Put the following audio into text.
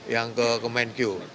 yang ke kemenkyu